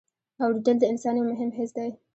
اورېدل د انسان یو مهم حس دی.